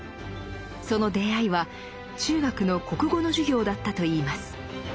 その出会いは中学の国語の授業だったといいます。